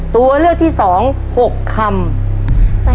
ตัวเลือกที่๒๖คำ